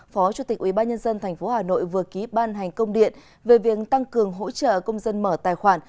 phó chủ tịch ubnd tp hà nội vừa ký ban hành công điện về việc tăng cường hỗ trợ công dân mở tài khoản